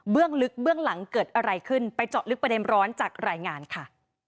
ลึกเบื้องหลังเกิดอะไรขึ้นไปเจาะลึกประเด็นร้อนจากรายงานค่ะ